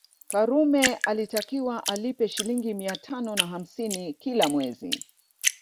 Karume alitakiwa alipe Shilingi mia tano na hamsini kila mwezi